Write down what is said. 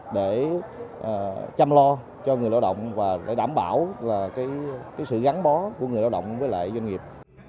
để chăm lo cho người lao động và để đảm bảo sự gắn bó của người lao động với lại doanh nghiệp